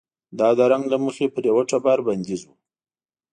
دا د رنګ له مخې پر یوه ټبر بندیز و.